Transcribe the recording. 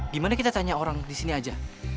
gimana kita tanya orang di sini aja